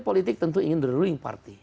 politik tentu ingin the ruling party